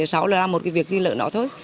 sau là một cái việc gì lỡ nó thôi